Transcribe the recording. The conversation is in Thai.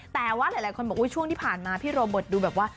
แต่ว่าหลายคนบอกช่วงที่ผ่านมาพี่โรเบิร์ตดูแบบว่า